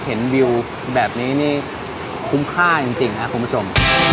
เห็นวิวแบบนี้นี่คุ้มค่าจริงครับคุณผู้ชม